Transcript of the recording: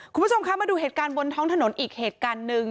คุณผู้ชมคะมาดูเหตุการณ์บนท้องถนนอีกเหตุการณ์หนึ่ง